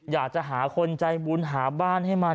อยากจะหาคนใจบุญหาบ้านให้มัน